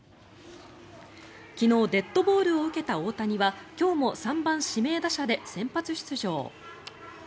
昨日デッドボールを受けた大谷は今日も３番指名打者で先発出場。